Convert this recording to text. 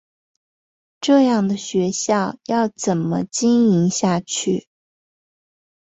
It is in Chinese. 这样的学校要怎么经营下去？